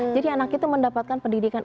jadi anak itu mendapatkan pendidikan